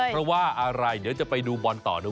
เพราะว่าอะไรเดี๋ยวจะไปดูบอลต่อดู